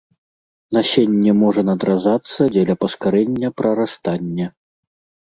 Насенне можа надразацца дзеля паскарэння прарастання.